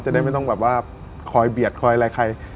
ได้ไม่ต้องแบบว่าคอยเบียดคอยอะไรใคร